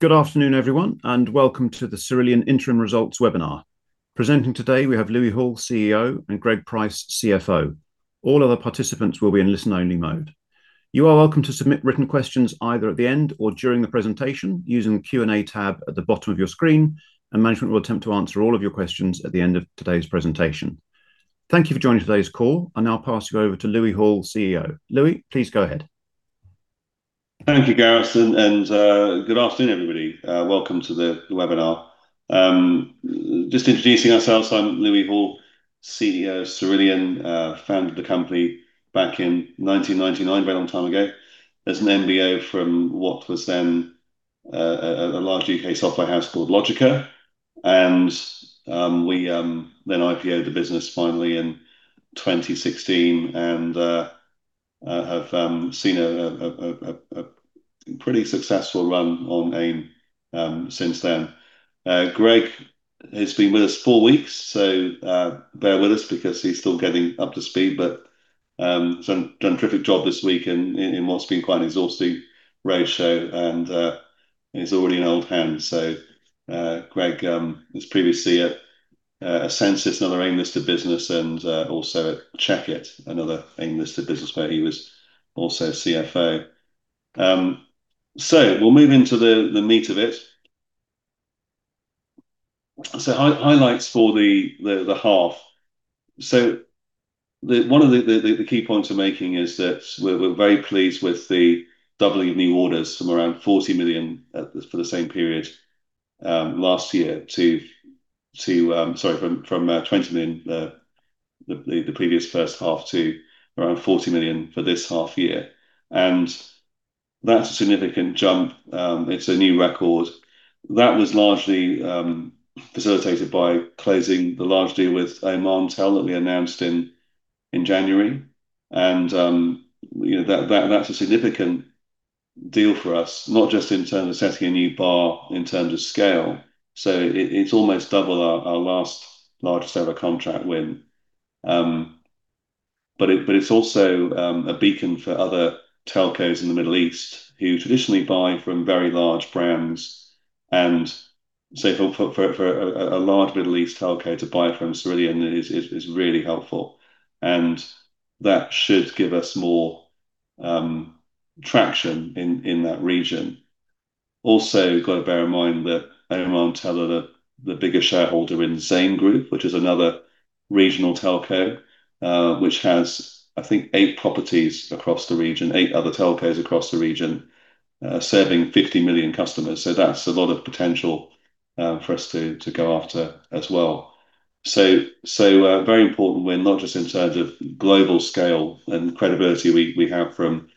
Good afternoon, everyone, and welcome to the Cerillion interim results webinar. Presenting today we have Louis Hall, CEO, and Greg Price, CFO. All other participants will be in listen-only mode. You are welcome to submit written questions either at the end or during the presentation using the Q&A tab at the bottom of your screen. Management will attempt to answer all of your questions at the end of today's presentation. Thank you for joining today's call. I'll now pass you over to Louis Hall, CEO. Louis, please go ahead. Thank you, Gareth, and good afternoon, everybody. Welcome to the webinar. Just introducing ourselves, I'm Louis Hall, CEO of Cerillion, founded the company back in 1999, a very long time ago, as an MBO from what was then a large U.K. software house called Logica. We then IPO-ed the business finally in 2016 and have seen a pretty successful run on AIM since then. Greg has been with us four weeks, so bear with us because he's still getting up to speed, but done a terrific job this week in what's been quite an exhausting roadshow, and he's already an old hand. Greg was previously at essensys, another AIM-listed business, and also at Checkit, another AIM-listed business where he was also CFO. We'll move into the meat of it. Highlights for the half. One of the key points we're making is that we're very pleased with the doubling of new orders from around 40 million for the same period last year from 20 million, the previous first half, to around 40 million for this half year. That's a significant jump. It's a new record. That was largely facilitated by closing the large deal with Omantel that we announced in January. That's a significant deal for us, not just in terms of setting a new bar in terms of scale. It's almost double our last largest ever contract win. It's also a beacon for other telcos in the Middle East who traditionally buy from very large brands. For a large Middle East telco to buy from Cerillion is really helpful, and that should give us more traction in that region. Got to bear in mind that Omantel are the bigger shareholder in Zain Group, which is another regional telco which has, I think, eight properties across the region, eight other telcos across the region serving 50 million customers, so that's a lot of potential for us to go after as well. A very important win, not just in terms of global scale and credibility we have from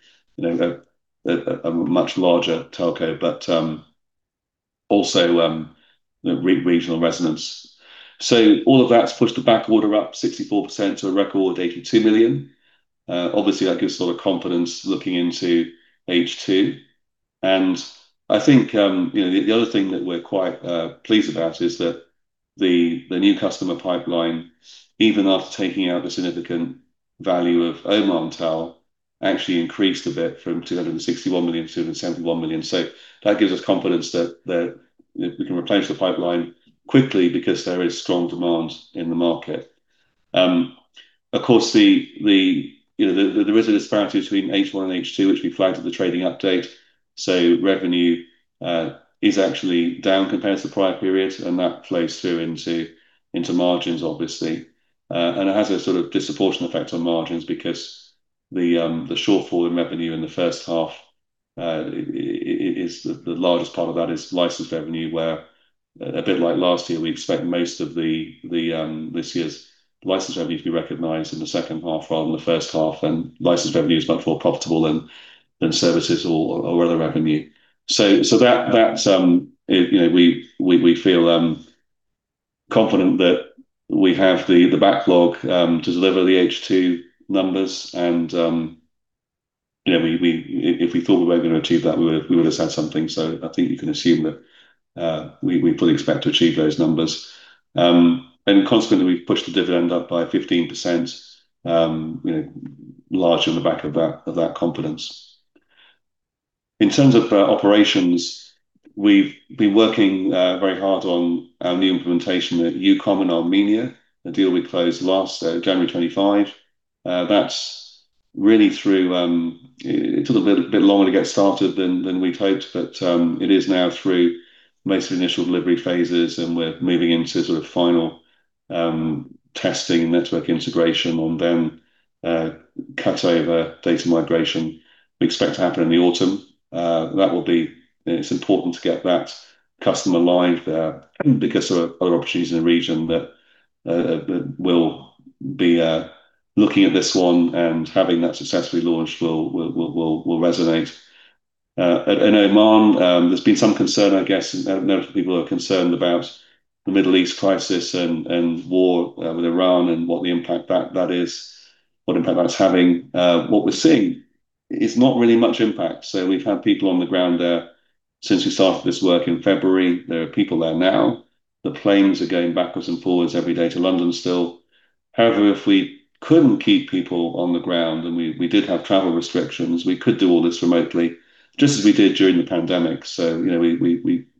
a much larger telco, but also regional resonance. All of that's pushed the back order up 64% to a record 82 million. Obviously, that gives a lot of confidence looking into H2. I think the other thing that we're quite pleased about is that the new customer pipeline, even after taking out the significant value of Omantel, actually increased a bit from 261 million to 271 million. That gives us confidence that we can replace the pipeline quickly because there is strong demand in the market. There is a disparity between H1 and H2, which we flagged at the trading update. Revenue is actually down compared to the prior period, and that plays through into margins, obviously. It has a sort of disproportionate effect on margins because the shortfall in revenue in the first half, the largest part of that is license revenue, where a bit like last year, we expect most of this year's license revenue to be recognized in the second half rather than the first half. License revenue is much more profitable than services or other revenue. We feel confident that we have the backlog to deliver the H2 numbers and if we thought we weren't going to achieve that, we would have said something. I think you can assume that we fully expect to achieve those numbers. Consequently, we've pushed the dividend up by 15%, largely on the back of that confidence. In terms of operations, we've been working very hard on our new implementation at Ucom in Armenia, a deal we closed last January 25. It took a bit longer to get started than we'd hoped, but it is now through most of the initial delivery phases, and we're moving into sort of final testing and network integration on them. Cutover data migration, we expect to happen in the autumn. It's important to get that customer live there because there are other opportunities in the region that we'll be looking at this one and having that successfully launched will resonate. There's been some concern, I guess, notably people are concerned about the Middle East crisis and war with Iran and what the impact that is, what impact that's having. What we're seeing is not really much impact. We've had people on the ground there since we started this work in February. There are people there now. The planes are going backwards and forwards every day to London still. However, if we couldn't keep people on the ground and we did have travel restrictions, we could do all this remotely, just as we did during the pandemic.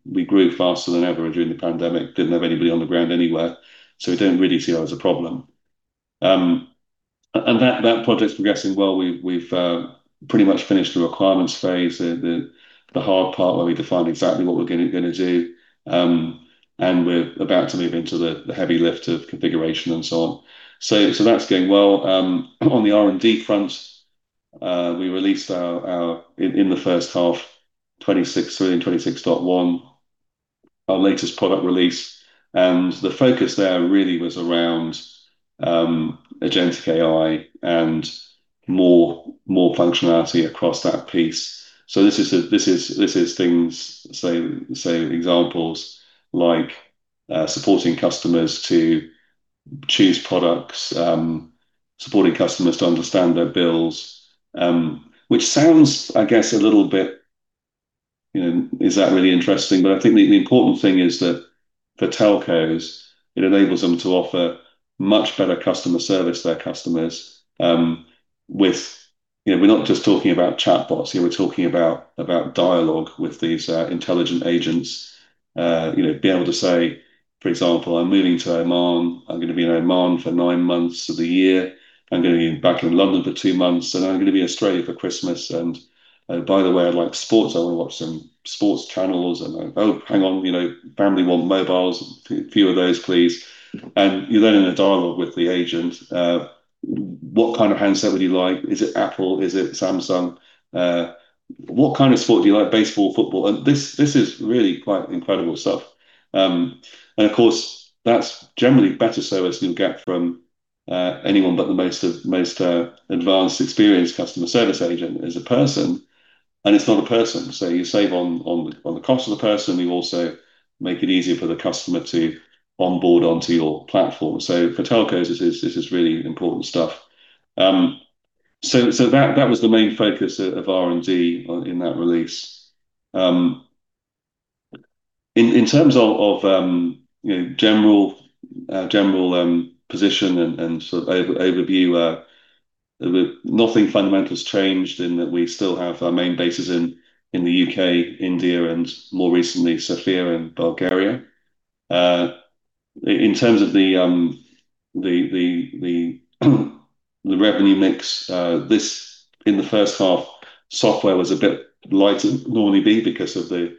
We grew faster than ever during the pandemic, didn't have anybody on the ground anywhere. We don't really see that as a problem. That project's progressing well. We've pretty much finished the requirements phase, the hard part where we define exactly what we're going to do. We're about to move into the heavy lift of configuration and so on. That's going well. On the R&D front, we released our, in the first half, 26.1, our latest product release. The focus there really was around agentic AI and more functionality across that piece. This is things, say examples like supporting customers to choose products, supporting customers to understand their bills, which sounds, I guess a little bit, is that really interesting? I think the important thing is that for telcos, it enables them to offer much better customer service to their customers. We're not just talking about chatbots here, we're talking about dialogue with these intelligent agents. Being able to say, for example, "I'm moving to Oman. I'm going to be in Oman for nine months of the year. I'm going to be back in London for two months, I'm going to be Australia for Christmas. By the way, I like sports. I want to watch some sports channels. Oh, hang on, family want mobiles. Few of those, please. You're then in a dialogue with the agent. What kind of handset would you like? Is it Apple? Is it Samsung? What kind of sport do you like? Baseball, football? This is really quite incredible stuff. Of course that's generally better service than you'll get from anyone but the most advanced, experienced customer service agent as a person, and it's not a person. You save on the cost of the person, you also make it easier for the customer to onboard onto your platform. For telcos, this is really important stuff. That was the main focus of R&D in that release. In terms of general position and sort of overview, nothing fundamental's changed in that we still have our main bases in the U.K., India, and more recently, Sofia in Bulgaria. In terms of the revenue mix, this in the first half software was a bit lighter than it would normally be because of the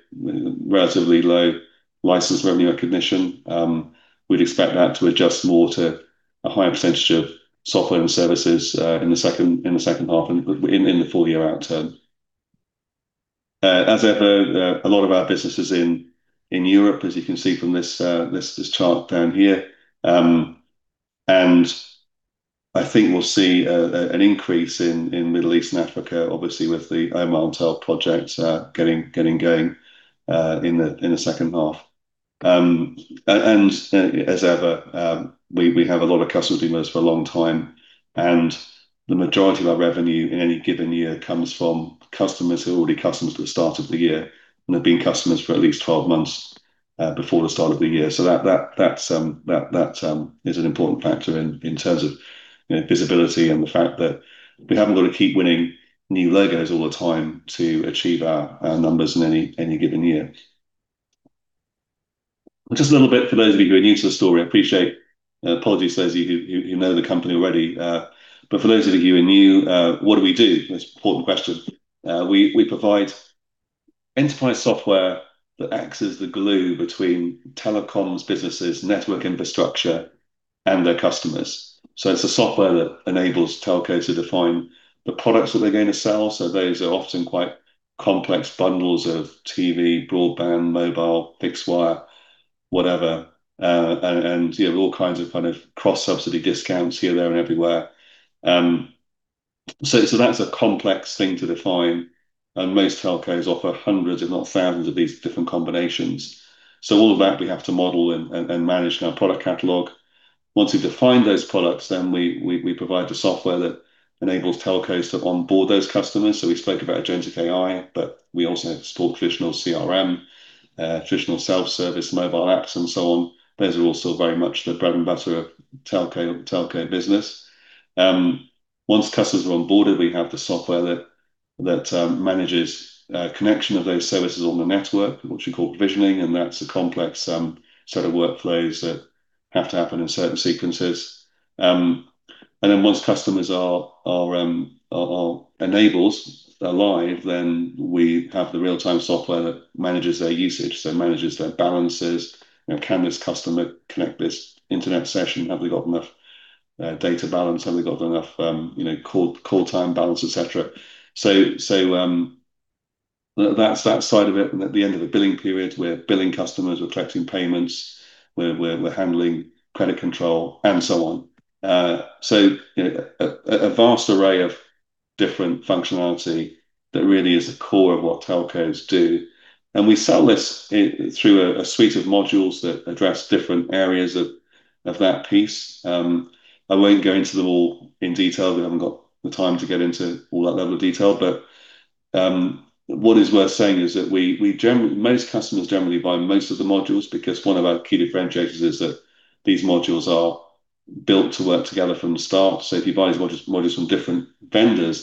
relatively low license revenue recognition. We'd expect that to adjust more to a higher percent of software and services in the second half and in the full-year outcome. As ever, a lot of our businesses in Europe, as you can see from this chart down here. I think we'll see an increase in Middle East and Africa, obviously with the Omantel project getting going in the second half. As ever, we have a lot of customers been with us for a long time, and the majority of our revenue in any given year comes from customers who are already customers at the start of the year and have been customers for at least 12 months before the start of the year. That is an important factor in terms of visibility and the fact that we haven't got to keep winning new logos all the time to achieve our numbers in any given year. Just a little bit for those of you who are new to the story, I appreciate. Apologies those of you who know the company already. For those of you who are new, what do we do? An important question. We provide enterprise software that acts as the glue between telecoms businesses, network infrastructure, and their customers. It's the software that enables telcos to define the products that they're going to sell. Those are often quite complex bundles of TV, broadband, mobile, fixed wire, whatever. You have all kinds of cross-subsidy discounts here, there, and everywhere. That's a complex thing to define, and most telcos offer hundreds if not thousands of these different combinations. All of that we have to model and manage in our product catalog. Once we've defined those products, then we provide the software that enables telcos to onboard those customers. We spoke about agentic AI, but we also support traditional CRM, traditional self-service mobile apps and so on. Those are all still very much the bread and butter of telco business. Once customers are onboarded, we have the software that manages connection of those services on the network, which we call provisioning, and that's a complex set of workflows that have to happen in certain sequences. Once customers are enabled, they're live, then we have the real-time software that manages their usage. Manages their balances. Can this customer connect this internet session? Have they got enough data balance? Have they got enough call time balance, et cetera? That side of it, at the end of a billing period, we're billing customers, we're collecting payments, we're handling credit control and so on. A vast array of different functionality that really is the core of what telcos do. We sell this through a suite of modules that address different areas of that piece. I won't go into them all in detail. We haven't got the time to get into all that level of detail. What is worth saying is that most customers generally buy most of the modules, because one of our key differentiators is that these modules are built to work together from the start. If you buy modules from different vendors,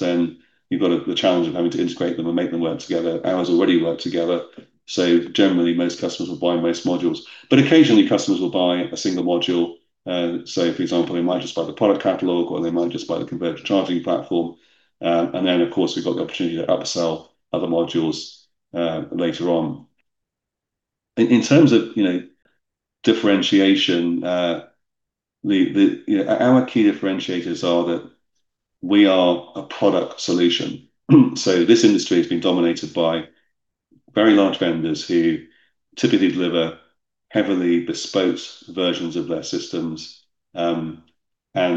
you've got the challenge of having to integrate them and make them work together. Ours already work together, generally, most customers will buy most modules. Occasionally customers will buy a single module. For example, they might just buy the product catalog, or they might just buy the Converged Charging Platform. Of course, we've got the opportunity to upsell other modules later on. In terms of differentiation, our key differentiators are that we are a product solution. This industry has been dominated by very large vendors who typically deliver heavily bespoke versions of their systems. That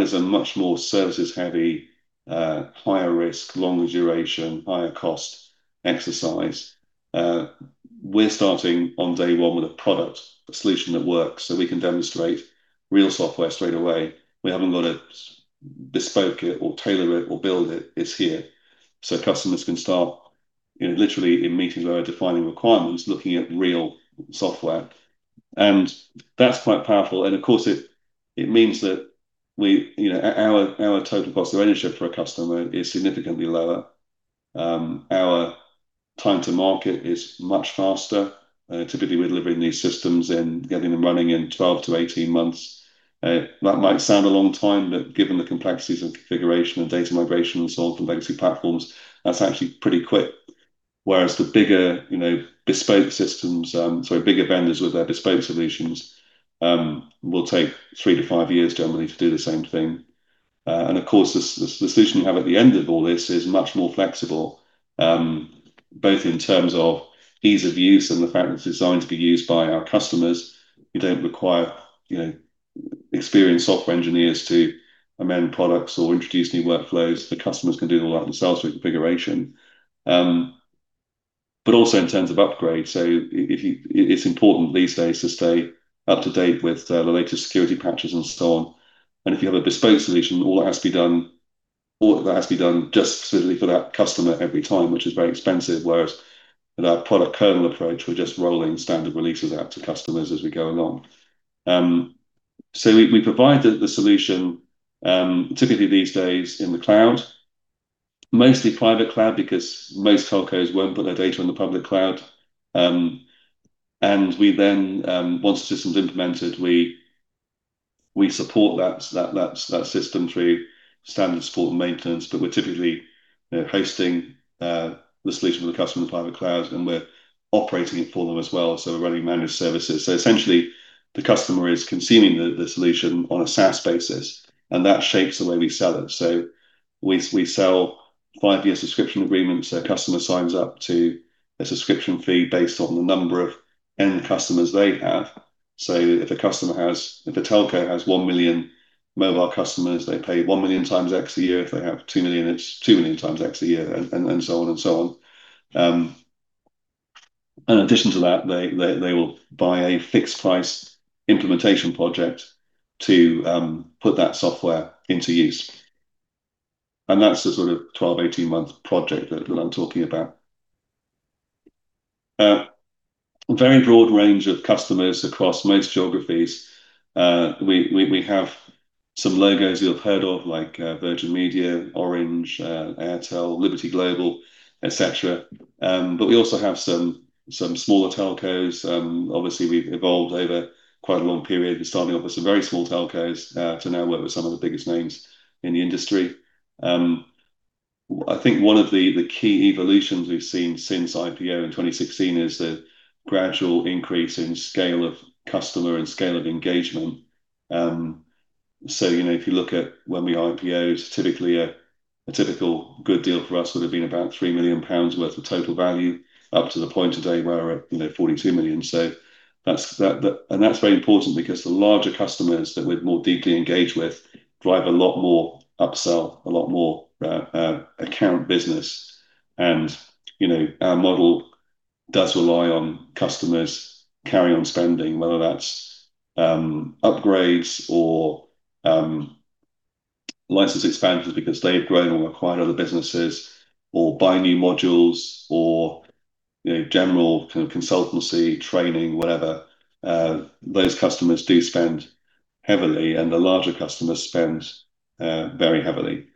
is a much more services-heavy, higher risk, longer duration, higher cost exercise. We're starting on day one with a product solution that works, so we can demonstrate real software straight away. We haven't got to bespoke it or tailor it or build it. It's here. Customers can start literally in meetings where we're defining requirements, looking at real software, and that's quite powerful. Of course, it means that our total cost of ownership for a customer is significantly lower. Our time to market is much faster. Typically, we're delivering these systems and getting them running in 12-18 months. That might sound a long time, but given the complexities of configuration and data migration and so on, complexity of platforms, that's actually pretty quick. Whereas the bigger bespoke systems, bigger vendors with their bespoke solutions, will take three to five years generally to do the same thing. Of course, the solution you have at the end of all this is much more flexible, both in terms of ease of use and the fact that it's designed to be used by our customers, who don't require experienced software engineers to amend products or introduce new workflows. The customers can do all that themselves through configuration, also in terms of upgrade. It's important these days to stay up to date with the latest security patches and so on. If you have a bespoke solution, all that has to be done specifically for that customer every time, which is very expensive. Whereas with our product kernel approach, we're just rolling standard releases out to customers as we go along. We provide the solution, typically these days in the cloud, mostly private cloud, because most telcos won't put their data in the public cloud. Once the system's implemented, we support that system through standard support and maintenance. We're typically hosting the solution for the customer in the private cloud, and we're operating it for them as well. We're running managed services. Essentially, the customer is consuming the solution on a SaaS basis, and that shapes the way we sell it. We sell five-year subscription agreements. A customer signs up to a subscription fee based on the number of end customers they have. If a telco has 1 million mobile customers, they pay 1 million times X a year. If they have 2 million, it's 2 million times X a year, and so on and so on. In addition to that, they will buy a fixed price implementation project to put that software into use. That's the sort of 12-18-month project that I'm talking about. A very broad range of customers across most geographies. We have some logos you'll have heard of, like Virgin Media, Orange, Airtel, Liberty Global, et cetera. We also have some smaller telcos. Obviously, we've evolved over quite a long period, starting off with some very small telcos to now work with some of the biggest names in the industry. I think one of the key evolutions we've seen since IPO in 2016 is the gradual increase in scale of customer and scale of engagement. If you look at when we IPO'd, a typical good deal for us would have been about 3 million pounds worth of total value, up to the point today we're at 42 million. That's very important because the larger customers that we're more deeply engaged with drive a lot more upsell, a lot more account business. Our model does rely on customers carrying on spending, whether that's upgrades or license expansions because they've grown or acquired other businesses or buy new modules or general kind of consultancy, training, whatever. Those customers do spend heavily, and the larger customers spend very heavily.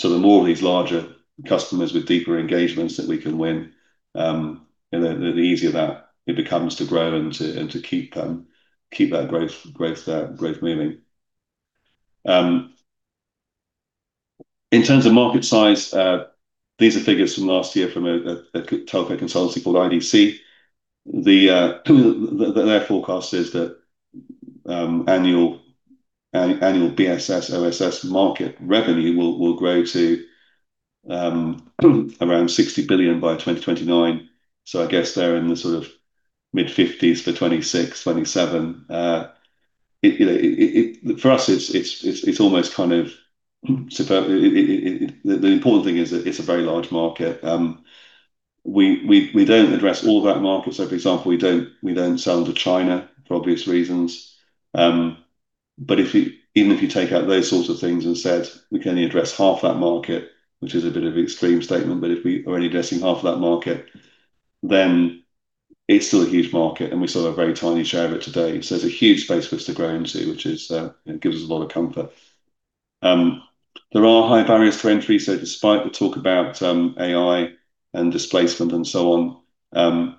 The more of these larger customers with deeper engagements that we can win, the easier that it becomes to grow and to keep that growth moving. In terms of market size, these are figures from last year from a telco consultancy called IDC. Their forecast is that annual BSS/OSS market revenue will grow to around 60 billion by 2029. I guess they're in the sort of mid-GBP 50s billion for 2026, 2027. The important thing is that it's a very large market. We don't address all that market. For example, we don't sell to China for obvious reasons. Even if you take out those sorts of things and said we can only address half that market, which is a bit of an extreme statement, but if we are only addressing half of that market, it's still a huge market, and we still have a very tiny share of it today. There's a huge space for us to grow into, which gives us a lot of comfort. There are high barriers to entry. Despite the talk about AI and displacement and so on,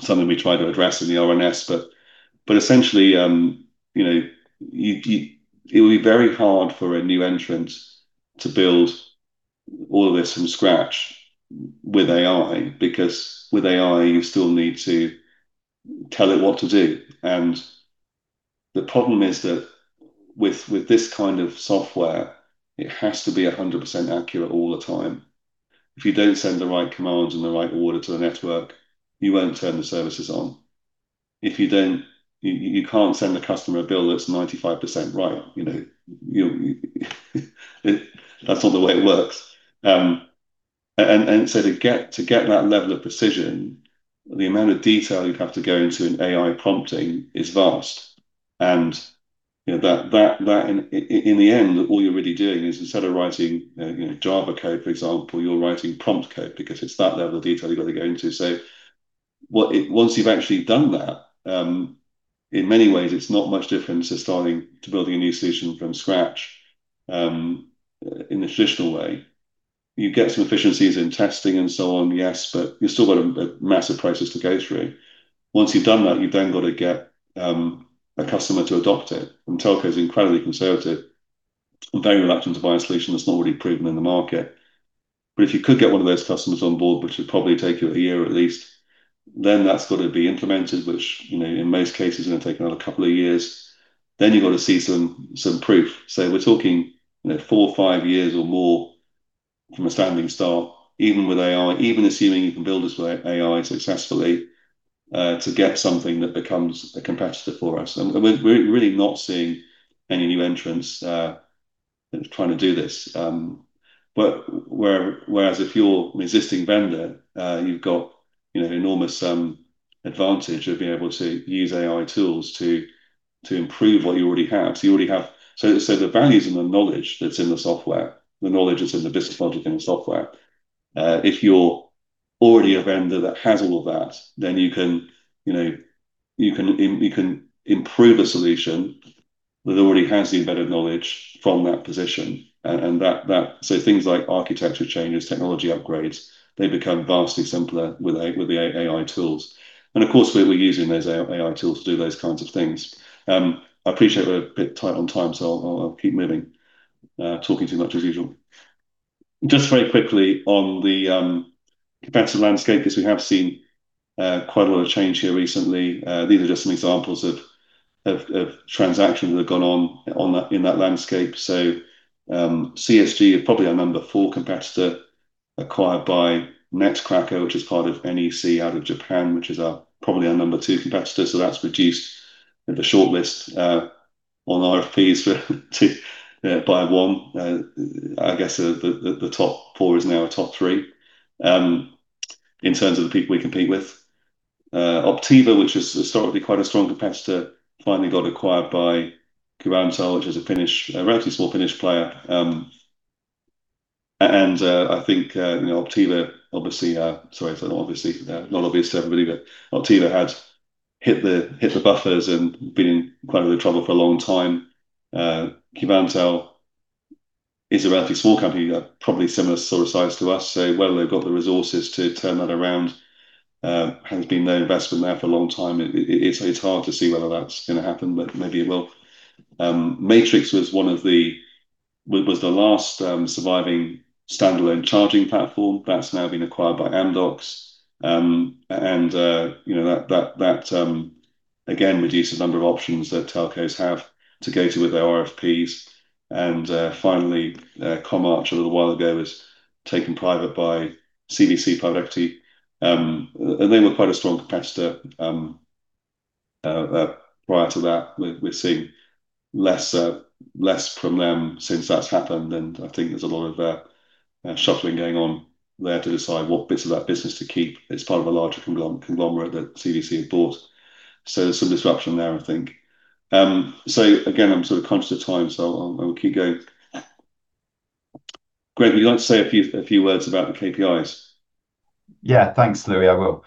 something we try to address in the RNS, but essentially it would be very hard for a new entrant to build all of this from scratch with AI. With AI, you still need to tell it what to do. The problem is that with this kind of software, it has to be 100% accurate all the time. If you don't send the right commands and the right order to the network, you won't turn the services on. You can't send a customer a bill that's 95% right. That's not the way it works. To get that level of precision, the amount of detail you'd have to go into in AI prompting is vast. In the end, all you're really doing is instead of writing Java code, for example, you're writing prompt code because it's that level of detail you've got to go into. Once you've actually done that, in many ways, it's not much different to building a new solution from scratch in the traditional way. You get some efficiencies in testing and so on, yes, but you've still got a massive process to go through. Once you've done that, you've then got to get a customer to adopt it. Telcos incredibly conservative and very reluctant to buy a solution that's not already proven in the market. If you could get one of those customers on board, which would probably take you a year at least, then that's got to be implemented, which in most cases is going to take another couple of years. You've got to see some proof. We're talking four or five years or more from a standing start, even with AI, even assuming you can build this with AI successfully, to get something that becomes a competitor for us. We're really not seeing any new entrants trying to do this. If you're an existing vendor, you've got enormous advantage of being able to use AI tools to improve what you already have. The values and the knowledge that's in the software, the knowledge that's in the business logic in the software, if you're already a vendor that has all of that, then you can improve a solution that already has the embedded knowledge from that position. Things like architecture changes, technology upgrades, they become vastly simpler with the AI tools. Of course, we're using those AI tools to do those kinds of things. I appreciate we're a bit tight on time, I'll keep moving. Talking too much as usual. Just very quickly on the competitive landscape, because we have seen quite a lot of change here recently. These are just some examples of transactions that have gone on in that landscape. CSG is probably our number four competitor, acquired by Netcracker, which is part of NEC out of Japan, which is probably our number 2 competitor. That's reduced the shortlist on RFPs by one. I guess the top four is now a top three, in terms of the people we compete with. Optiva, which was historically quite a strong competitor, finally got acquired by Qvantel, which is a relatively small Finnish player. I think Optiva, sorry, not obvious to everybody, but Optiva had hit the buffers and been in quite a bit of trouble for a long time. Qvantel is a relatively small company, probably similar sort of size to us, so whether they've got the resources to turn that around. There has been no investment there for a long time. It's hard to see whether that's going to happen, but maybe it will. MATRIXX was the last surviving standalone charging platform. That's now been acquired by Amdocs. That again reduced the number of options that telcos have to go to with their RFPs. Finally, Comarch a little while ago was taken private by CVC Private Equity. And they were quite a strong competitor prior to that. We're seeing less from them since that's happened, and I think there's a lot of shuffling going on there to decide what bits of that business to keep. It's part of a larger conglomerate that CVC have bought. There's some disruption there, I think. Again, I'm sort of conscious of time, so I will keep going. Greg, would you like to say a few words about the KPIs? Yeah. Thanks, Louis. I will.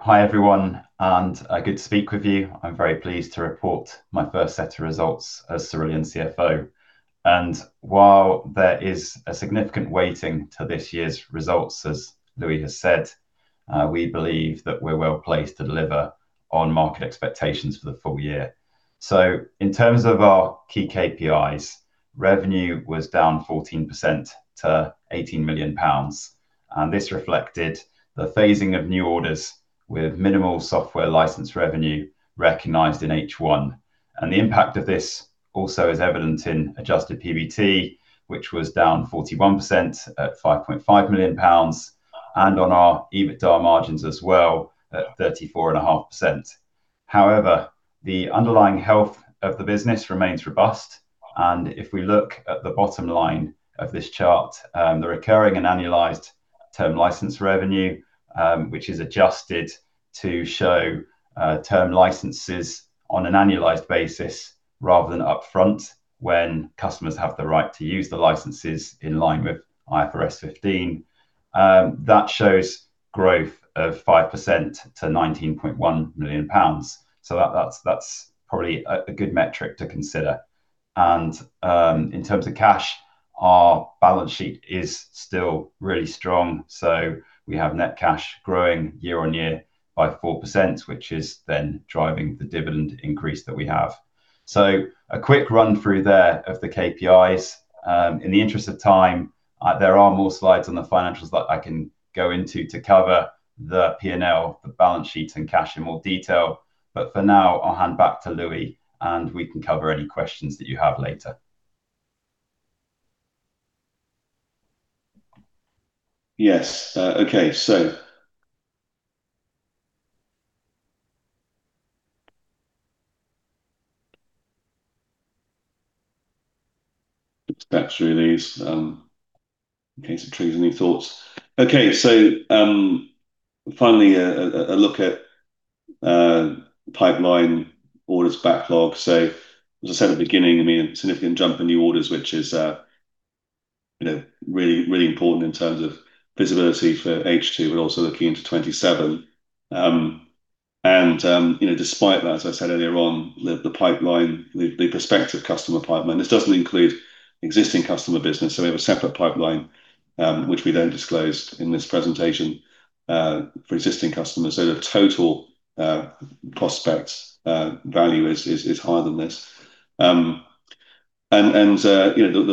Hi, everyone, and good to speak with you. I'm very pleased to report my first set of results as Cerillion CFO. While there is a significant weighting to this year's results, as Louis has said, we believe that we're well-placed to deliver on market expectations for the full year. In terms of our key KPIs, revenue was down 14% to 18 million pounds. This reflected the phasing of new orders with minimal software license revenue recognized in H1. The impact of this also is evident in adjusted PBT, which was down 41% at 5.5 million pounds, and on our EBITDA margins as well at 34.5%. However, the underlying health of the business remains robust. If we look at the bottom line of this chart, the recurring and annualized term license revenue, which is adjusted to show term licenses on an annualized basis rather than upfront when customers have the right to use the licenses in line with IFRS 15, that shows growth of 5% to 19.1 million pounds. That's probably a good metric to consider. In terms of cash, our balance sheet is still really strong. We have net cash growing year on year by 4%, which is then driving the dividend increase that we have. A quick run through there of the KPIs. In the interest of time, there are more slides on the financials that I can go into to cover the P&L, the balance sheet, and cash in more detail. For now, I'll hand back to Louis, and we can cover any questions that you have later. Yes. Okay. Just dash through these in case it triggers any thoughts. Okay. Finally, a look at pipeline orders backlog. As I said at the beginning, a significant jump in new orders, which is really important in terms of visibility for H2, but also looking into 2027. Despite that, as I said earlier on the pipeline, the prospective customer pipeline, this doesn't include existing customer business. We have a separate pipeline which we don't disclose in this presentation for existing customers. The total prospects value is higher than this. The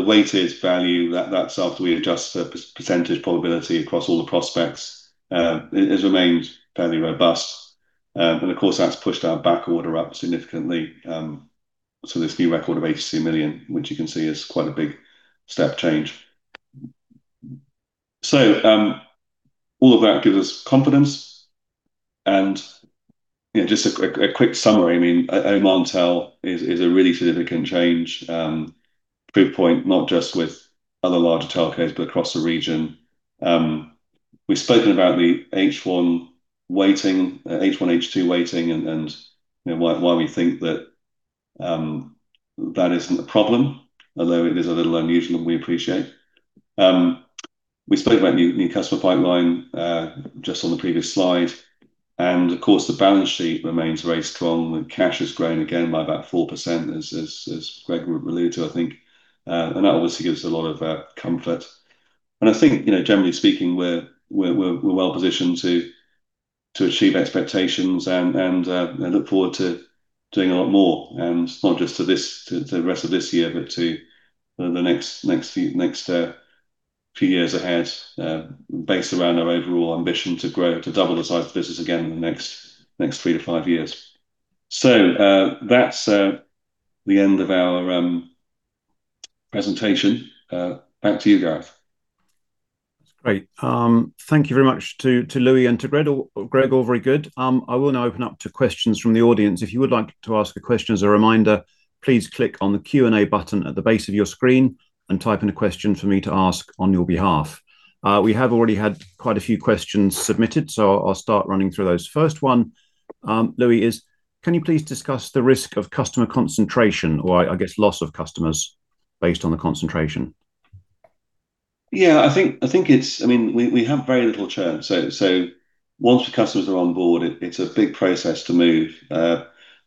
weighted value, that's after we adjust for percentage probability across all the prospects has remained fairly robust. Of course, that's pushed our back order up significantly to this new record of 82 million, which you can see is quite a big step change. All of that gives us confidence. Just a quick summary. Omantel is a really significant change proof point, not just with other larger telcos, but across the region. We've spoken about the H1 waiting, H1, H2 waiting, and why we think that isn't a problem, although it is a little unusual, we appreciate. We spoke about new customer pipeline just on the previous slide, of course, the balance sheet remains very strong and cash has grown again by about 4% as Greg alluded to, I think. That obviously gives a lot of comfort. I think, generally speaking, we're well positioned to achieve expectations and I look forward to doing a lot more, not just for the rest of this year, but to the next few years ahead based around our overall ambition to grow, to double the size of the business again in the next 3-5 years. That's the end of our presentation. Back to you, Gareth. That's great. Thank you very much to Louis and to Greg. Overall, very good. I will now open up to questions from the audience. If you would like to ask a question as a reminder, please click on the Q&A button at the base of your screen and type in a question for me to ask on your behalf. We have already had quite a few questions submitted, so I'll start running through those. First one, Louis, is can you please discuss the risk of customer concentration or, I guess, loss of customers based on the concentration? We have very little churn. Once the customers are on board, it's a big process to move.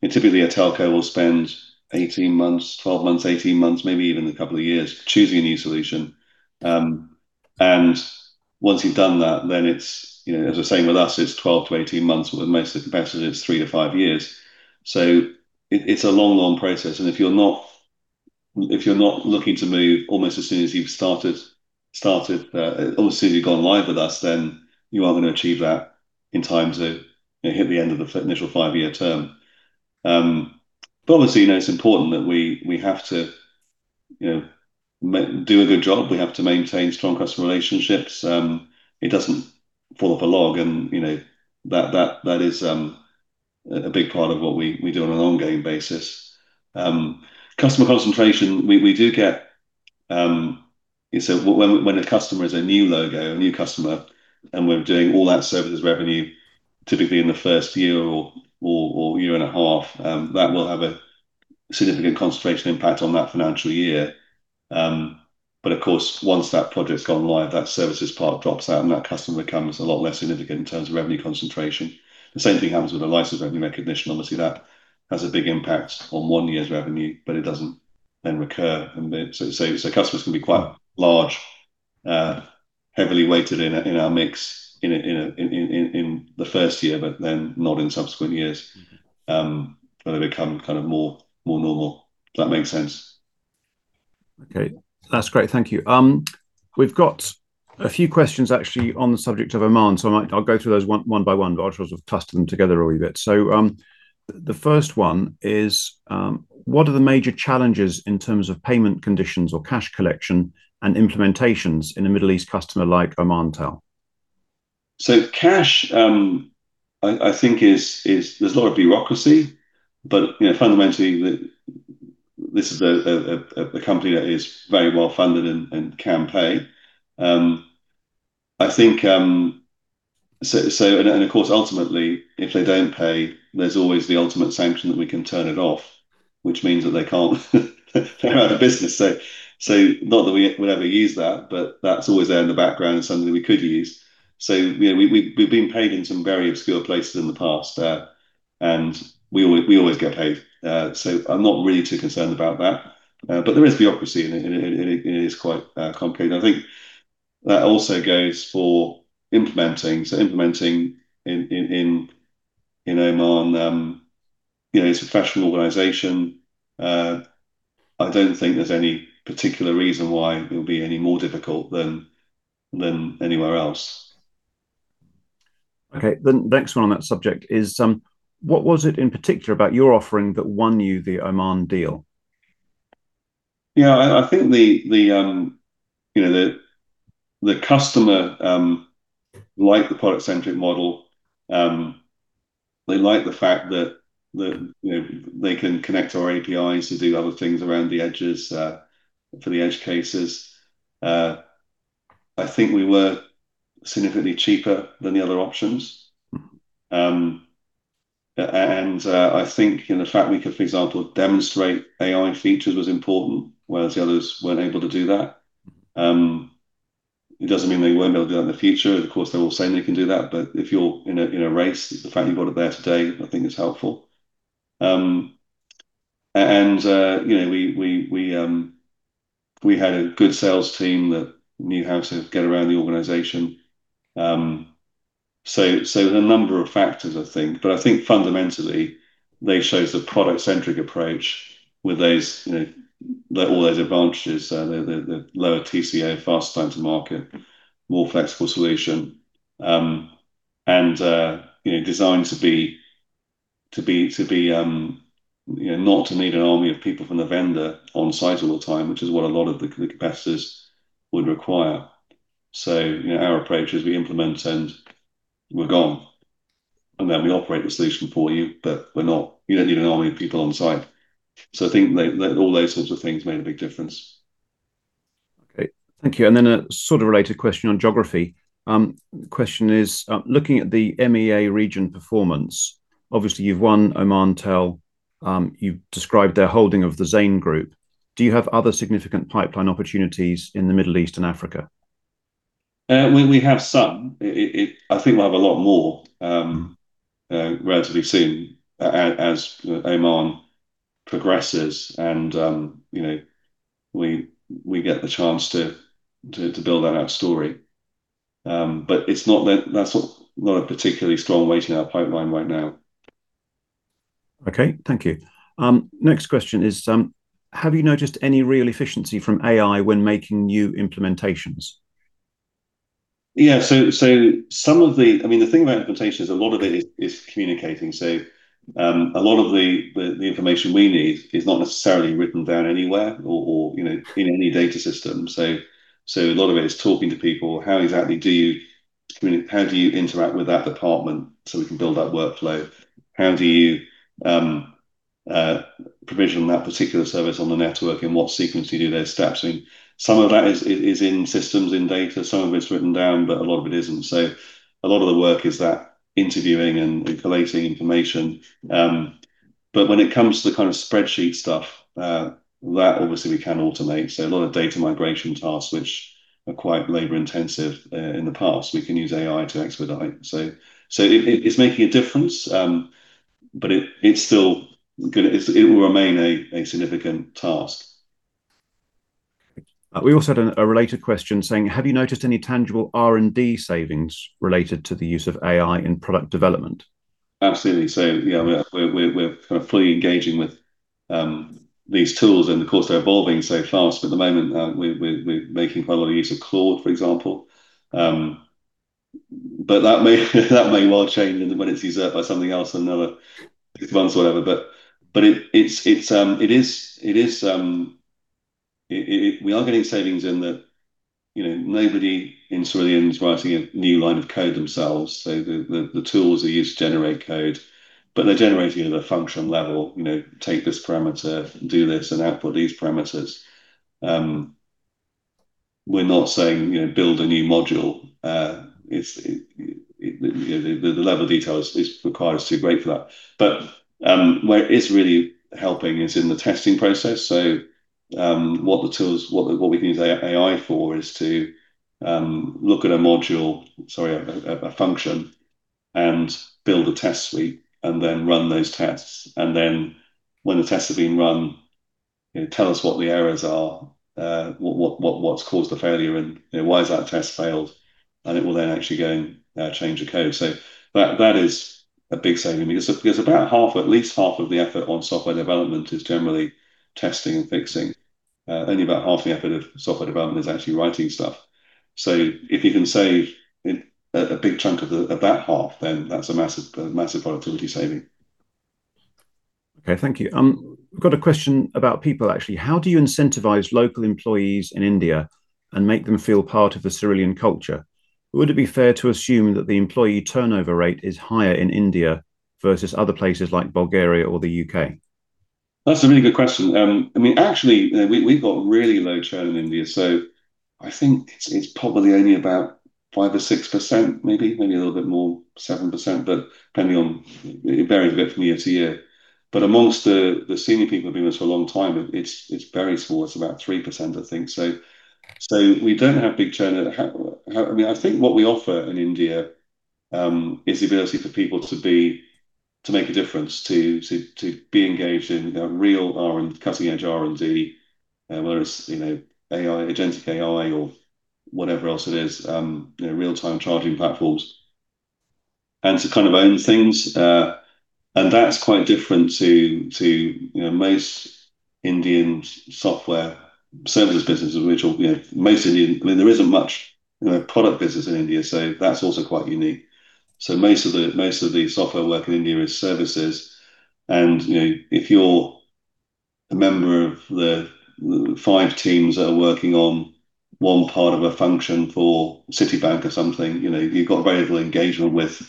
Typically a telco will spend 18 months, 12 months, 18 months, maybe even a couple of years choosing a new solution. Once you've done that, then as I was saying with us, it's 12 to 18 months. With most of the competitors, 3 to 5 years. It's a long, long process. If you're not looking to move almost as soon as you've started or as soon as you've gone live with us, then you are going to achieve that in time to hit the end of the initial five-year term. Obviously, it's important that we have to do a good job. We have to maintain strong customer relationships. It doesn't fall off a log, and that is a big part of what we do on an ongoing basis. Customer concentration, when a customer is a new logo, a new customer, and we're doing all that services revenue, typically in the first year or year and a half that will have a significant concentration impact on that financial year. Of course, once that project's gone live, that services part drops out, and that customer becomes a lot less significant in terms of revenue concentration. The same thing happens with a license revenue recognition. Obviously, that has a big impact on one year's revenue, but it doesn't then recur. Customers can be quite large, heavily weighted in our mix in the first year, but then not in subsequent years, but they become kind of more normal. Does that make sense? Okay. That's great. Thank you. We've got a few questions actually on the subject of Oman. I might go through those one by one, but I'll sort of cluster them together a wee bit. The first one is what are the major challenges in terms of payment conditions or cash collection and implementations in a Middle East customer like Omantel? Cash, I think there's a lot of bureaucracy, but fundamentally, this is a company that is very well-funded and can pay. Of course, ultimately, if they don't pay, there's always the ultimate sanction that we can turn it off, which means that they're out of business. Not that we would ever use that, but that's always there in the background and something we could use. We've been paid in some very obscure places in the past, and we always get paid. I'm not really too concerned about that. There is bureaucracy, and it is quite complicated. I think that also goes for implementing. Implementing in Oman, it's a professional organization. I don't think there's any particular reason why it'll be any more difficult than anywhere else. Okay. The next one on that subject is, what was it in particular about your offering that won you the Oman deal? I think the customer liked the product-centric model. They liked the fact that they can connect to our APIs to do other things around the edges, for the edge cases. I think we were significantly cheaper than the other options. I think the fact we could, for example, demonstrate AI features was important, whereas the others weren't able to do that. It doesn't mean they won't be able to do that in the future. Of course, they're all saying they can do that, but if you're in a race, the fact you've got it there today I think is helpful. We had a good sales team that knew how to get around the organization. There's a number of factors, I think, but I think fundamentally, they chose the product-centric approach with all those advantages, the lower TCO, faster time to market, more flexible solution. Designed not to need an army of people from the vendor on-site all the time, which is what a lot of the competitors would require. Our approach is we implement and we're gone, and then we operate the solution for you, but you don't need an army of people on-site. I think all those sorts of things made a big difference. Okay. Thank you. A sort of related question on geography. Question is, looking at the MEA region performance, obviously you've won Omantel. You've described their holding of the Zain Group. Do you have other significant pipeline opportunities in the Middle East and Africa? We have some. I think we'll have a lot more relatively soon as Oman progresses, and we get the chance to build that out story. That's not a particularly strong weight in our pipeline right now. Okay. Thank you. Next question is, have you noticed any real efficiency from AI when making new implementations? Yeah. The thing about implementation is a lot of it is communicating. A lot of the information we need is not necessarily written down anywhere or in any data system. A lot of it is talking to people. How do you interact with that department so we can build that workflow? How do you provision that particular service on the network, and what sequence do you do those steps in? Some of that is in systems, in data, some of it's written down, but a lot of it isn't. A lot of the work is that interviewing and collating information. When it comes to the kind of spreadsheet stuff, that obviously we can automate. A lot of data migration tasks, which are quite labor-intensive, in the past, we can use AI to expedite. It's making a difference. It will remain a significant task. We also had a related question saying, have you noticed any tangible R&D savings related to the use of AI in product development? Absolutely. Yeah, we're kind of fully engaging with these tools, and of course, they're evolving so fast, but at the moment, we're making quite a lot of use of Claude, for example. That may well change when it's usurped by something else in another six months or whatever. We are getting savings in that nobody in Cerillion is writing a new line of code themselves. The tools are used to generate code, but they're generating it at a function level. Take this parameter, do this, and output these parameters. We're not saying build a new module. The level of detail required is too great for that. Where it's really helping is in the testing process. What we can use AI for is to look at a function and build a test suite and then run those tests. When the tests have been run, tell us what the errors are, what's caused the failure and why has that test failed, and it will then actually go in there and change the code. That is a big saving because about half, or at least half of the effort on software development is generally testing and fixing. Only about half the effort of software development is actually writing stuff. If you can save a big chunk of that half, then that's a massive productivity saving. Okay, thank you. We've got a question about people, actually. How do you incentivize local employees in India and make them feel part of the Cerillion culture? Would it be fair to assume that the employee turnover rate is higher in India versus other places like Bulgaria or the U.K.? That's a really good question. Actually, we've got really low churn in India. I think it's probably only about 5% or 6%, maybe a little bit more, 7%, but it varies a bit from year to year. Amongst the senior people who've been with us for a long time, it's very small. It's about 3%, I think. We don't have big churn. I think what we offer in India is the ability for people to make a difference, to be engaged in real cutting-edge R&D, whether it's agentic AI or whatever else it is, real-time charging platforms, and to own things. That's quite different to most Indian software services businesses. There isn't much product business in India. That's also quite unique. Most of the software work in India is services, and if you're a member of the five teams that are working on one part of a function for Citibank or something, you've got very little engagement with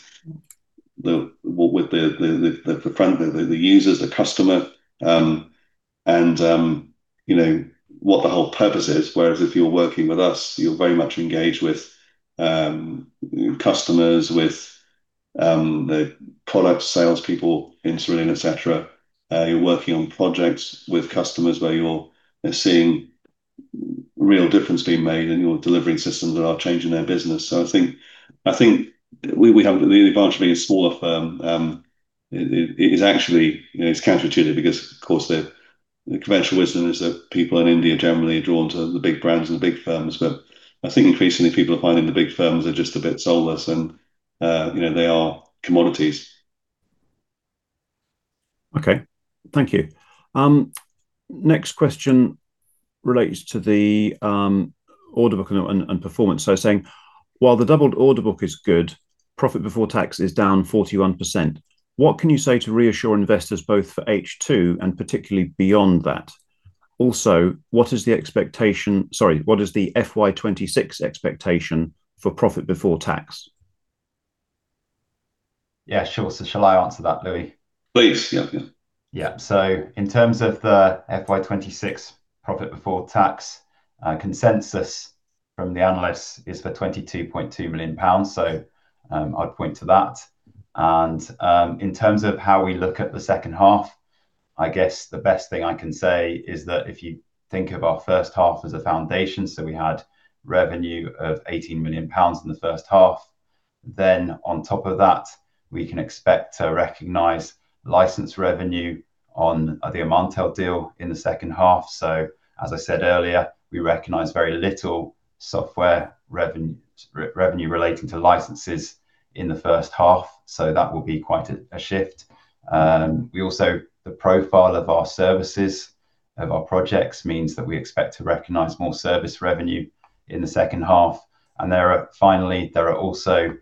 the front, the users, the customer, and you know what the whole purpose is. Whereas if you're working with us, you're very much engaged with customers, with the product salespeople in Cerillion, et cetera. You're working on projects with customers where you're seeing real difference being made, and you're delivering systems that are changing their business. I think we have the advantage of being a smaller firm. It's counterintuitive because, of course, the conventional wisdom is that people in India generally are drawn to the big brands and the big firms. I think increasingly people are finding the big firms are just a bit soulless and they are commodities. Okay, thank you. Next question relates to the order book and performance. Saying, while the doubled order book is good, profit before tax is down 41%. What can you say to reassure investors both for H2 and particularly beyond that? Also, what is the FY 2026 expectation for profit before tax? Yeah, sure. Shall I answer that, Louis? Please. Yeah. Yeah. In terms of the FY 2026 profit before tax, consensus from the analysts is for 22.2 million pounds. I'd point to that. In terms of how we look at the second half, I guess the best thing I can say is that if you think of our first half as a foundation, so we had revenue of 18 million pounds in the first half. On top of that, we can expect to recognize license revenue on the Omantel deal in the second half. As I said earlier, we recognize very little software revenue relating to licenses in the first half, so that will be quite a shift. Also, the profile of our services, of our projects means that we expect to recognize more service revenue in the second half. Finally, there are also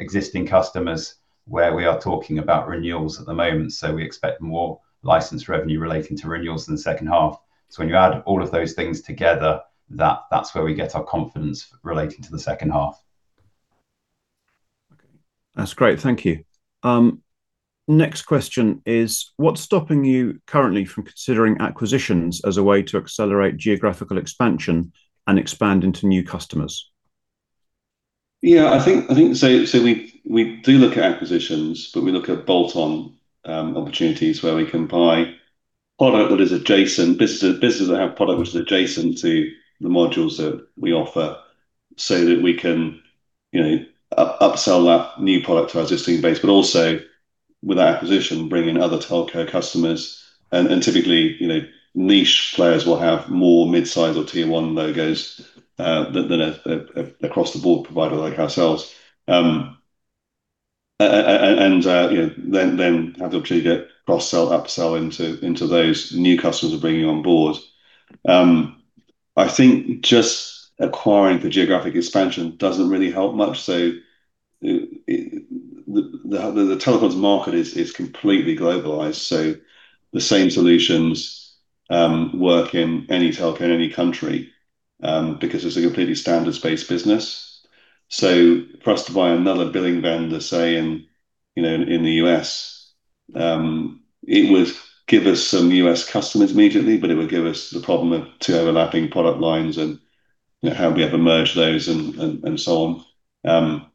existing customers where we are talking about renewals at the moment. We expect more license revenue relating to renewals in the second half. When you add all of those things together, that's where we get our confidence relating to the second half. Okay. That's great, thank you. Next question is, what's stopping you currently from considering acquisitions as a way to accelerate geographical expansion and expand into new customers? Yeah. We do look at acquisitions, but we look at bolt-on opportunities where we can buy product that is adjacent. Businesses that have product which is adjacent to the modules that we offer so that we can upsell that new product to our existing base, but also with that acquisition, bring in other telco customers. Typically, niche players will have more mid-size or tier 1 logos than across the board provider like ourselves. Then have the opportunity to cross sell, upsell into those new customers we're bringing on board. I think just acquiring the geographic expansion doesn't really help much. The telecoms market is completely globalized. The same solutions work in any telco in any country, because it's a completely standards-based business. For us to buy another billing vendor, say in the U.S., it would give us some U.S. customers immediately, but it would give us the problem of two overlapping product lines, and how we ever merge those, and so on.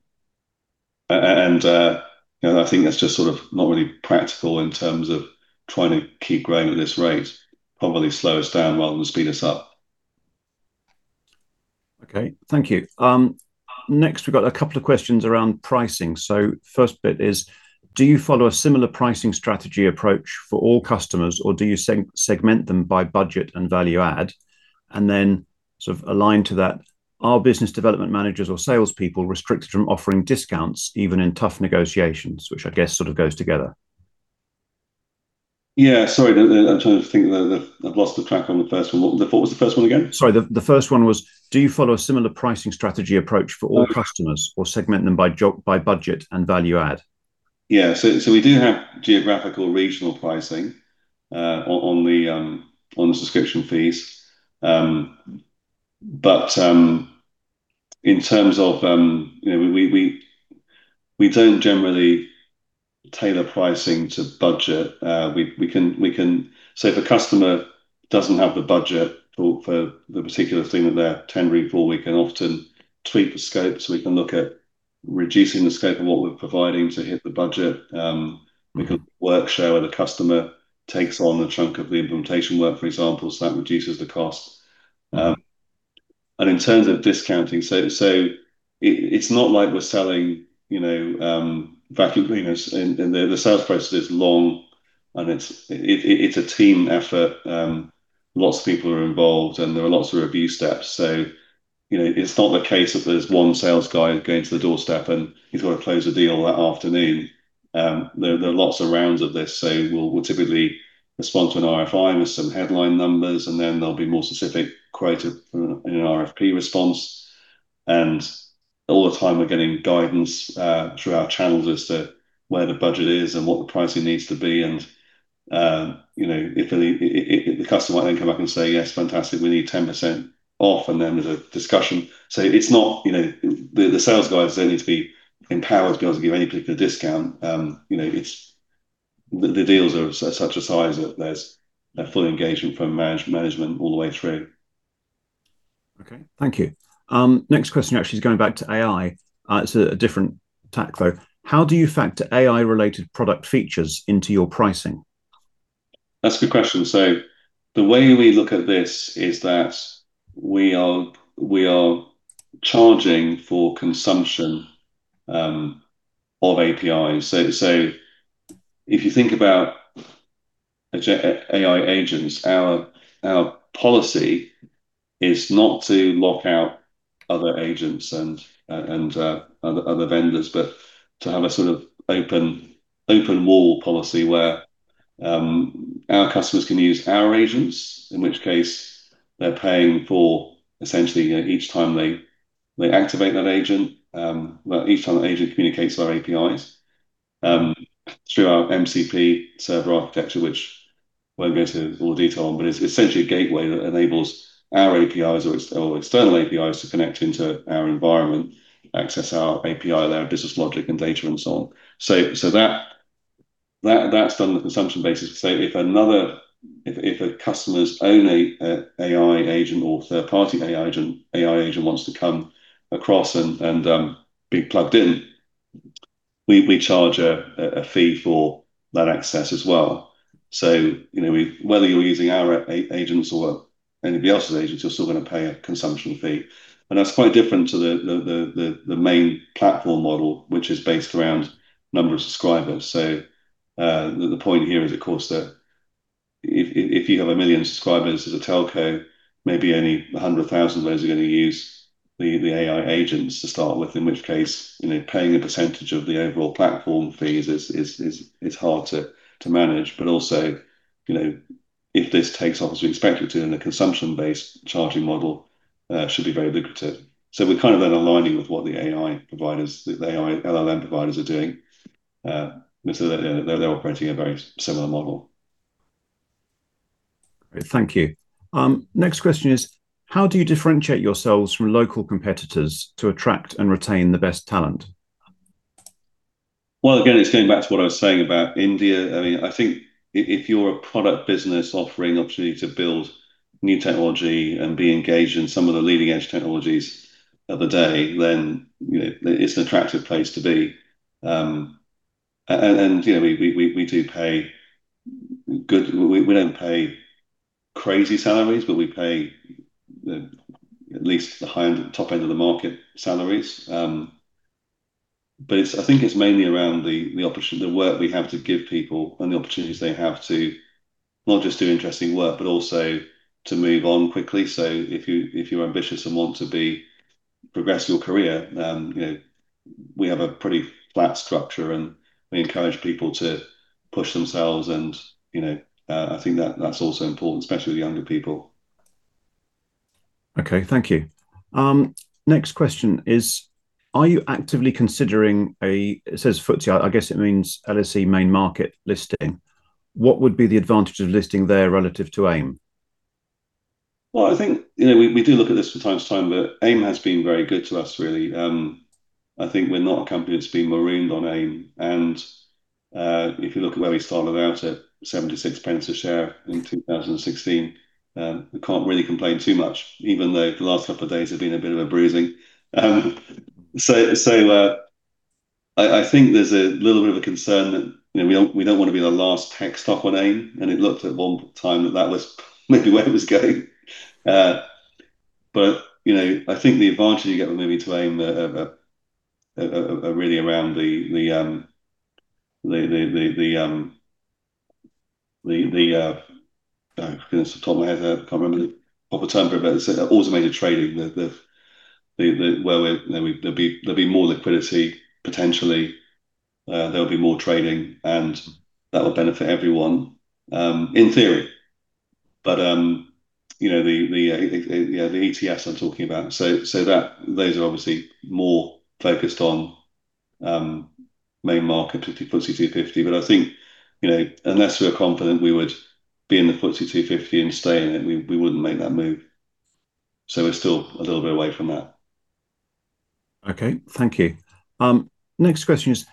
I think that's just sort of not really practical in terms of trying to keep growing at this rate. Probably slow us down rather than speed us up. Okay. Thank you. We've got a couple of questions around pricing. First bit is, do you follow a similar pricing strategy approach for all customers, or do you segment them by budget and value add? Sort of aligned to that, are business development managers or salespeople restricted from offering discounts even in tough negotiations? Which I guess sort of goes together. Yeah. Sorry, I'm trying to think. I've lost the track on the first one. What was the first one again? Sorry, the first one was, do you follow a similar pricing strategy approach for all customers or segment them by budget and value add? Yeah. We do have geographical regional pricing on the subscription fees. In terms of, we don't generally tailor pricing to budget. If a customer doesn't have the budget for the particular thing that they're tendering for, we can often tweak the scope so we can look at reducing the scope of what we're providing to hit the budget. We can work share where the customer takes on a chunk of the implementation work, for example, so that reduces the cost. In terms of discounting, so it's not like we're selling vacuum cleaners and the sales process is long and it's a team effort. Lots of people are involved and there are lots of review steps. It's not the case that there's one sales guy going to the doorstep and he's got to close a deal that afternoon. There are lots of rounds of this. We'll typically respond to an RFI with some headline numbers, and then there'll be more specific criteria in an RFP response. All the time we're getting guidance, through our channels as to where the budget is and what the pricing needs to be. The customer might then come back and say, "Yes, fantastic, we need 10% off." There's a discussion. It's not the sales guys don't need to be empowered to be able to give anybody a discount. The deals are such a size that there's a full engagement from management all the way through. Okay. Thank you. Next question actually is going back to AI. It's a different tack, though. How do you factor AI related product features into your pricing? That's a good question. The way we look at this is that we are charging for consumption of APIs. If you think about AI agents, our policy is not to lock out other agents and other vendors, but to have a sort of open wall policy where our customers can use our agents, in which case they're paying for essentially each time they activate that agent, well, each time that agent communicates to our APIs, through our MCP Server architecture, which won't go to all the detail on, but it's essentially a gateway that enables our APIs or external APIs to connect into our environment, access our API, their business logic and data and so on. That's done on a consumption basis. If a customer's own AI agent or third-party AI agent wants to come across and be plugged in, we charge a fee for that access as well. Whether you're using our agents or anybody else's agents, you're still going to pay a consumption fee. That's quite different to the main platform model, which is based around number of subscribers. The point here is, of course, that if you have 1 million subscribers as a telco, maybe only 100,000 of those are going to use the AI agents to start with, in which case, paying a percentage of the overall platform fees it's hard to manage. Also, if this takes off as we expect it to in a consumption-based charging model, should be very lucrative. We're kind of then aligning with what the AI providers, the AI LLM providers are doing. They're operating a very similar model. Great. Thank you. Next question is: how do you differentiate yourselves from local competitors to attract and retain the best talent? Again, it's going back to what I was saying about India. I think if you're a product business offering opportunity to build new technology and be engaged in some of the leading-edge technologies of the day, then it's an attractive place to be. We don't pay crazy salaries, but we pay at least the top end of the market salaries. I think it's mainly around the work we have to give people and the opportunities they have to not just do interesting work, but also to move on quickly. If you're ambitious and want to progress your career, we have a pretty flat structure, and we encourage people to push themselves, and I think that's also important, especially with younger people. Okay. Thank you. Next question is: Are you actively considering a, it says FTSE, I guess it means LSE main market listing? What would be the advantage of listing there relative to AIM? Well, I think we do look at this from time to time. AIM has been very good to us, really. I think we're not a company that's been marooned on AIM. If you look at where we started out at 0.76 a share in 2016, we can't really complain too much, even though the last couple of days have been a bit of a bruising. I think there's a little bit of a concern that we don't want to be the last tech stock on AIM, and it looked at one time that was maybe where it was going. I think the advantage you get with moving to AIM are really around the top of my head, I can't remember the proper term for it, but automated trading, there will be more liquidity potentially, there will be more trading, and that will benefit everyone, in theory. The ETFs I am talking about, those are obviously more focused on main market, particularly FTSE 250. I think, unless we are confident we would be in the FTSE 250 and stay in it, we wouldn't make that move. We are still a little bit away from that. Okay. Thank you. Next question is,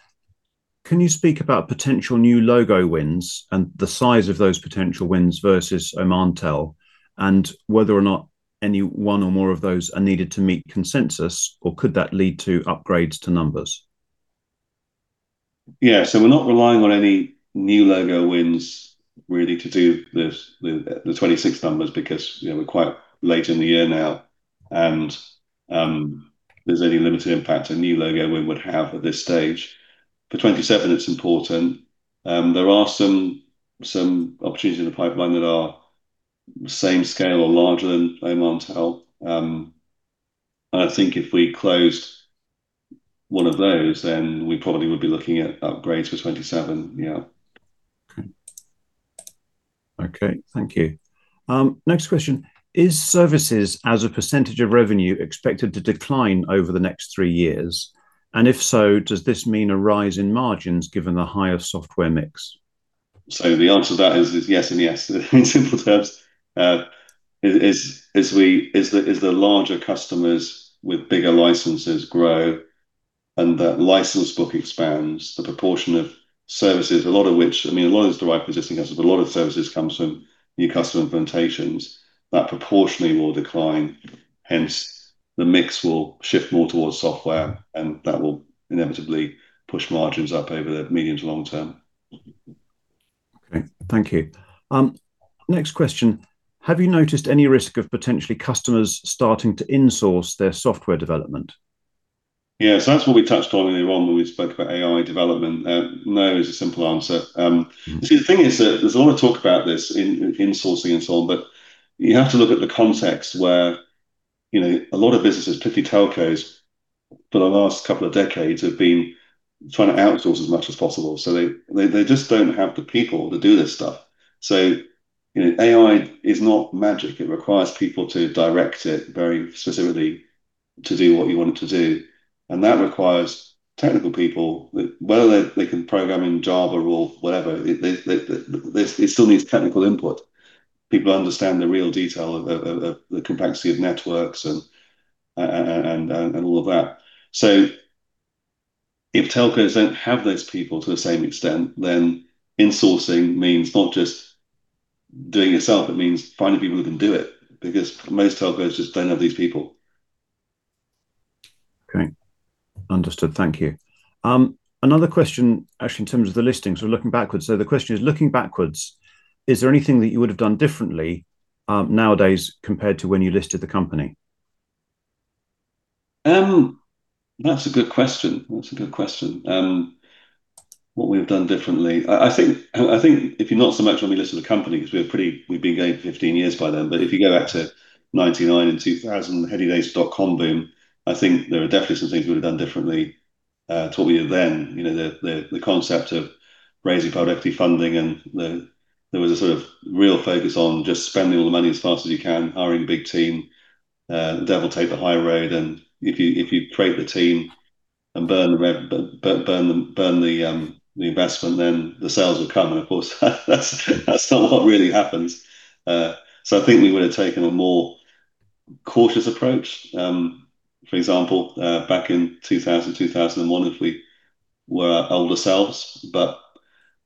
can you speak about potential new logo wins and the size of those potential wins versus Omantel, and whether or not any one or more of those are needed to meet consensus, or could that lead to upgrades to numbers? Yeah. We're not relying on any new logo wins really to do the 2026 numbers because we're quite late in the year now, and there's only a limited impact a new logo win would have at this stage. For 2027, it's important. There are some opportunities in the pipeline that are same scale or larger than Omantel. I think if we closed one of those, then we probably would be looking at upgrades for 2027. Yeah. Okay. Thank you. Next question: Is services as a percentage of revenue expected to decline over the next three years? If so, does this mean a rise in margins given the higher software mix? The answer to that is yes and yes, in simple terms. As the larger customers with bigger licenses grow and the license book expands, the proportion of services, a lot of which, I mean, a lot of it is derived existing customers, but a lot of services comes from new customer implementations. That proportionally will decline, hence the mix will shift more towards software, and that will inevitably push margins up over the medium to long term. Okay. Thank you. Next question: have you noticed any risk of potentially customers starting to insource their software development? Yeah. That's what we touched on earlier on when we spoke about AI development. No is a simple answer. The thing is that there's a lot of talk about this insourcing and so on, but you have to look at the context where a lot of businesses, particularly telcos, for the last couple of decades have been trying to outsource as much as possible. They just don't have the people to do this stuff. AI is not magic. It requires people to direct it very specifically to do what you want it to do. That requires technical people, whether they can program in Java or whatever, it still needs technical input. People who understand the real detail of the complexity of networks and all of that. If telcos don't have those people to the same extent, then insourcing means not just doing it yourself, it means finding people who can do it, because most telcos just don't have these people. Okay. Understood. Thank you. Another question, actually, in terms of the listings. We're looking backwards. The question is, looking backwards, is there anything that you would've done differently nowadays compared to when you listed the company? That's a good question. What we've done differently. I think if you're not so much when we listed the company, because we've been going for 15 years by then. If you go back to 1999 and 2000, the heady days of dot-com boom, I think there are definitely some things we would've done differently to what we knew then. The concept of raising private equity funding and there was a sort of real focus on just spending all the money as fast as you can, hiring a big team, the devil take the high road, and if you create the team and burn the investment, then the sales will come. Of course, that's not what really happens. I think we would've taken a more cautious approach. For example, back in 2000, 2001, if we were our older selves.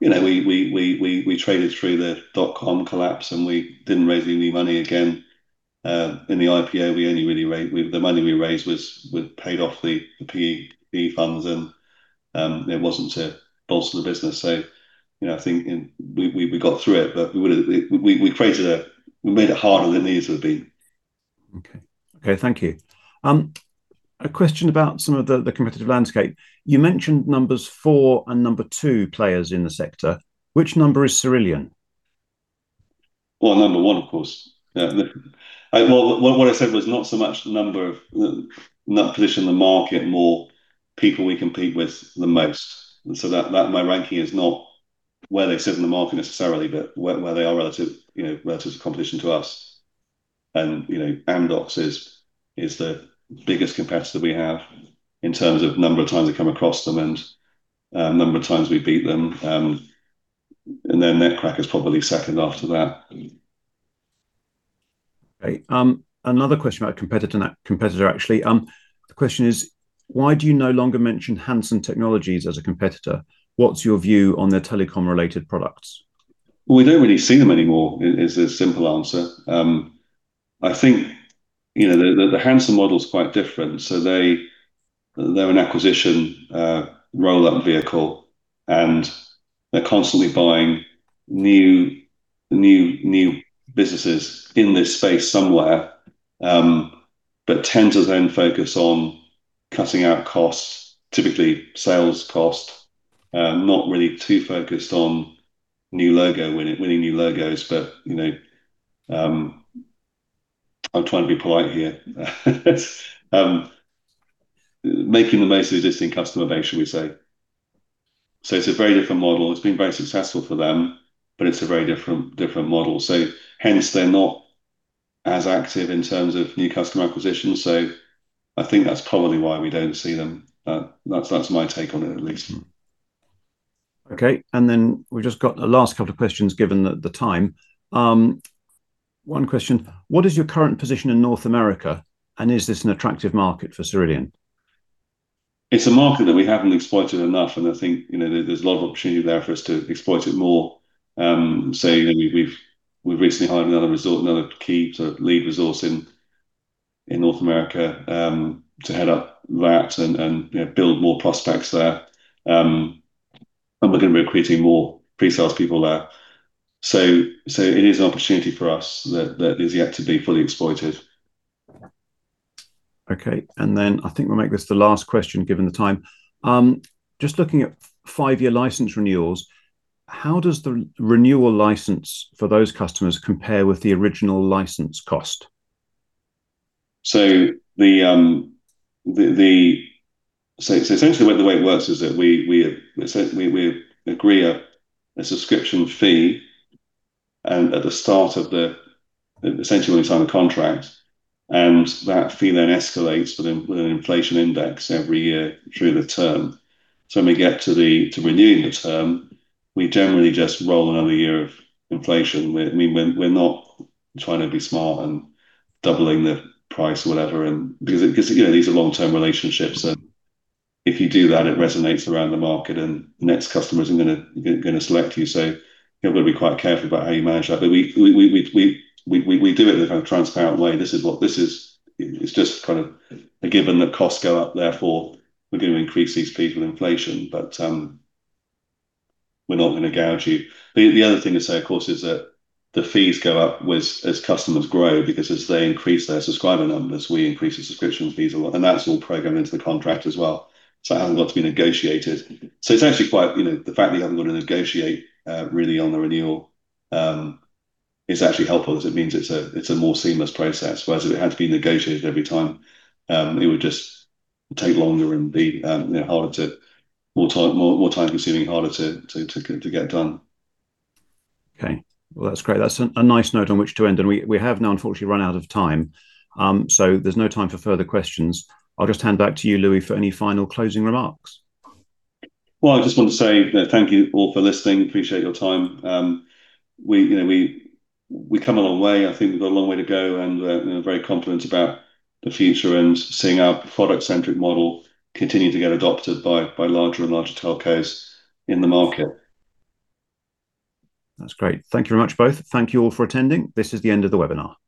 We traded through the dot-com collapse, and we didn't raise any new money again. In the IPO, the money we raised paid off the PE funds, and it wasn't to bolster the business. I think we got through it, but we made it harder than it needed to have been. Okay. Thank you. A question about some of the competitive landscape. You mentioned numbers four and number two players in the sector. Which number is Cerillion? Well, number one, of course. Well, what I said was not so much the number of position in the market, more people we compete with the most. My ranking is not where they sit in the market necessarily, but where they are relative to competition to us. Amdocs is the biggest competitor we have in terms of number of times we come across them and number of times we beat them. Netcracker's probably second after that. Another question about a competitor, actually. The question is, why do you no longer mention Hansen Technologies as a competitor? What's your view on their telecom-related products? We don't really see them anymore, is the simple answer. I think the Hansen model's quite different. They're an acquisition roll-up vehicle, and they're constantly buying new businesses in this space somewhere, but tend to then focus on cutting out costs, typically sales cost, not really too focused on winning new logos. I'm trying to be polite here. Making the most of existing customer base, shall we say. It's a very different model. It's been very successful for them, but it's a very different model. Hence, they're not as active in terms of new customer acquisition. I think that's probably why we don't see them. That's my take on it, at least. Okay. We've just got a last couple of questions given the time. One question, what is your current position in North America, and is this an attractive market for Cerillion? It's a market that we haven't exploited enough, and I think there's a lot of opportunity there for us to exploit it more. We've recently hired another key lead resource in North America to head up that and build more prospects there. We're going to be recruiting more pre-sales people there. It is an opportunity for us that is yet to be fully exploited. Okay. I think we'll make this the last question, given the time. Just looking at five-year license renewals, how does the renewal license for those customers compare with the original license cost? Essentially the way it works is that we agree a subscription fee and at the start of essentially when we sign the contract, and that fee then escalates with an inflation index every year through the term. When we get to renewing the term, we generally just roll another year of inflation. We're not trying to be smart and doubling the price or whatever because these are long-term relationships, and if you do that, it resonates around the market and the next customer isn't going to select you. You've got to be quite careful about how you manage that. We do it in a kind of transparent way. It's just kind of a given that costs go up, therefore, we're going to increase these fees with inflation, but we're not going to gouge you. The other thing to say, of course, is that the fees go up as customers grow because as they increase their subscriber numbers, we increase the subscription fees, and that's all programmed into the contract as well. It hasn't got to be negotiated. The fact that you haven't got to negotiate really on the renewal, it's actually helpful as it means it's a more seamless process. Whereas if it had to be negotiated every time, it would just take longer and be more time-consuming, harder to get done. Okay. Well, that's great. That's a nice note on which to end. We have now unfortunately run out of time, so there's no time for further questions. I'll just hand back to you, Louis, for any final closing remarks. Well, I just want to say thank you all for listening. Appreciate your time. We've come a long way. I think we've got a long way to go, and we're very confident about the future and seeing our product-centric model continue to get adopted by larger and larger telcos in the market. That's great. Thank you very much, both. Thank you all for attending. This is the end of the webinar.